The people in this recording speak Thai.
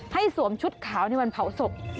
ให้สวมชุดขาวนี่มันเผาศพ